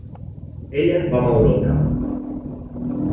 Ella va moure el cap.